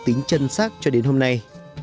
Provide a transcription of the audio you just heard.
tính chân sắc cho đến hôm nay